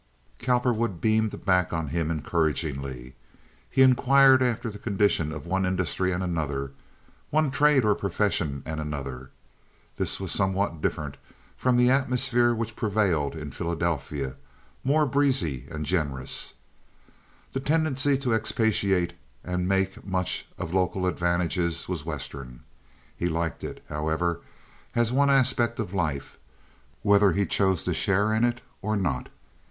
Cowperwood beamed back on him encouragingly. He inquired after the condition of one industry and another, one trade or profession and another. This was somewhat different from the atmosphere which prevailed in Philadelphia—more breezy and generous. The tendency to expatiate and make much of local advantages was Western. He liked it, however, as one aspect of life, whether he chose to share in it or not.